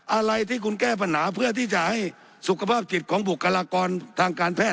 อะไรที่คุณแก้ปัญหาเพื่อที่จะให้สุขภาพจิตของบุคลากรทางการแพทย